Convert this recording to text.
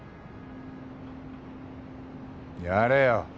やれよ！